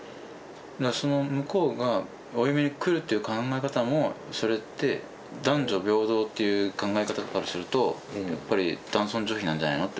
その向こうがお嫁に来るっていう考え方もそれって男女平等っていう考え方からするとやっぱり男尊女卑なんじゃないのって。